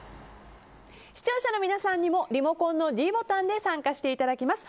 視聴者の皆さんにもリモコンのｄボタンで参加していただきます。